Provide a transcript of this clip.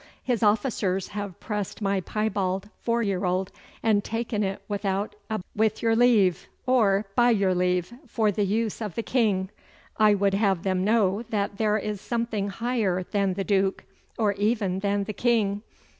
'His officers have pressed my piebald four year old, and taken it without a "With your leave," or "By your leave," for the use of the King. I would have them know that there is something higher than the Duke, or even than the King.